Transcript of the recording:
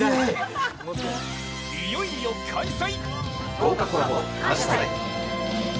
いよいよ開催。